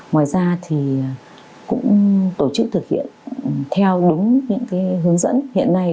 ngoài ra thì cũng tổ chức thực hiện theo đúng những hướng dẫn hiện nay